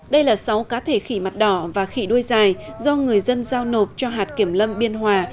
đây là sáu cá thể khỉ mặt đỏ và khỉ đuôi dài do người dân giao nộp cho hạt kiểm lâm biên hòa